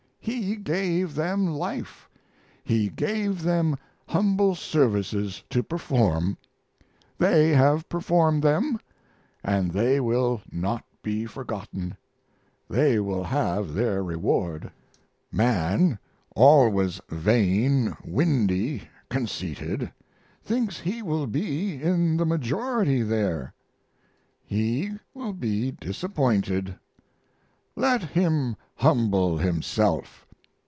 He gave them life, He gave them humble services to perform, they have performed them, and they will not be forgotten, they will have their reward. Man always vain, windy, conceited thinks he will be in the majority there. He will be disappointed. Let him humble himself.